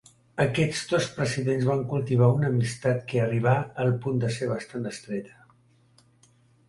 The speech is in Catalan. Aquests dos presidents van cultivar una amistat que arribà al punt de ser bastant estreta.